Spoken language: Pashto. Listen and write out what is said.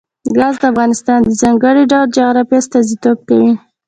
ګاز د افغانستان د ځانګړي ډول جغرافیه استازیتوب کوي.